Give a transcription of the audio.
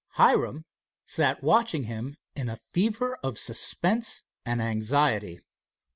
Hiram sat watching him in a fever of suspense and anxiety.